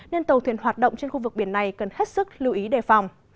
nên tàu thuyền hoạt động trên khu vực biển này cần hết sức lưu ý đề phòng